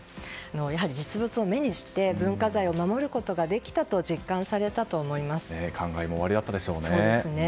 やはり実物を目にして文化財を守ることが感慨もおありだったでしょうね。